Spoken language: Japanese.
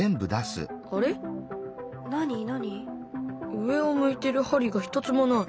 上を向いている針が一つもない。